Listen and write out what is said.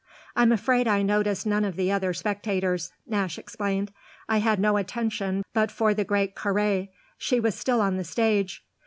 "I'm afraid I noticed none of the other spectators," Nash explained. "I had no attention but for the great Carré she was still on the stage.